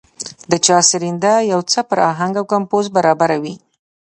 د چا سرېنده يو څه پر اهنګ او کمپوز برابره وي.